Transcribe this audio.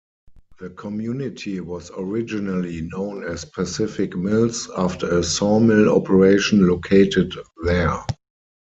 The community was originally known as Pacific Mills, after a sawmill operation located there.